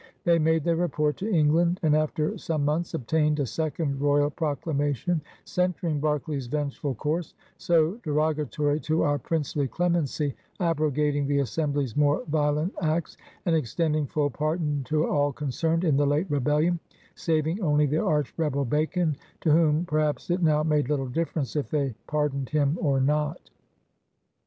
They made their report to England, and after some months obtained a second royal proclamation censuring Berkeley's vengeful course, "so deroga tory to our princely clemency," abrogating the Assembly's more violent acts, and extending full pardon to all concerned in the late "rebellion,'* saving only the arch rebel Bacon — to whom per haps it now made Ettle difference if they pardoned him or not.